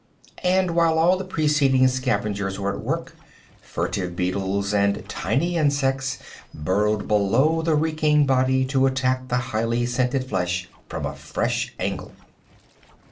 And while all the preceding scavengers were at work, furtive beetles and tiny insects burrowed below the reeking body to attack the highly scented flesh from a fresh angle.